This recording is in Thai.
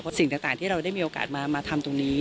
สิ่งต่างที่เราได้มีโอกาสมาทำตรงนี้